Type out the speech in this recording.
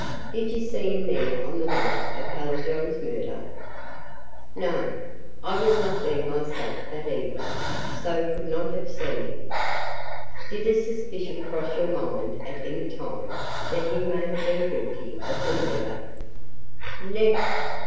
"Did you see him there on the night of Hallijohn's murder?" "No. I was not there myself that evening, so could not have seen him." "Did a suspicion cross your mind at any time that he may have been guilty of the murder?" "Never.